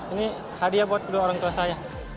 ini hadiah buat kedua orang tua saya